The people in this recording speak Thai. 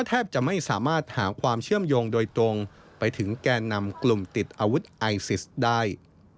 แทบจะไม่สามารถหาความเชื่อมโยงโดยตรงไปถึงแก่นำกลุ่มติดอาวุธไอซิสได้